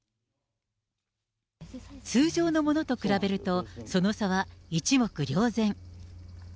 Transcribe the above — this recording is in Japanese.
通常のものと比べると、その差は一目瞭然。